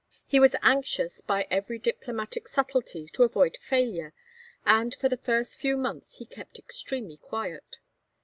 He was anxious by every diplomatic subtlety to avoid failure, and for the first few months he kept extremely quiet.